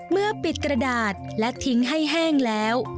เมื่อปิดกระดาษและทิ้งให้แห้งแล้ว